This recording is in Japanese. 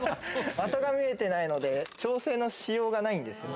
的が見えてないので、調整のしようがないんですね。